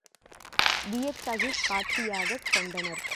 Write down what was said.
வியத்தகு காட்சியாகக் கொண்டனர்.